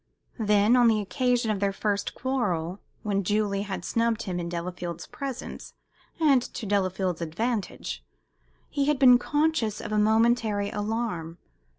Then, on the occasion of their first quarrel, when Julie had snubbed him in Delafield's presence and to Delafield's advantage, he had been conscious of a momentary alarm.